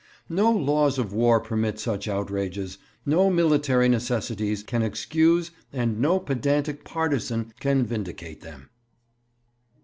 No laws of war permit such outrages, no military necessities can excuse and no pedantic partisan can vindicate them.